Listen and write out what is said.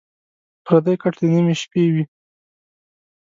پردی کټ دَ نیمې شپې وي